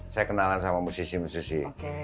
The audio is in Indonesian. saya kenalan sama musisi musisi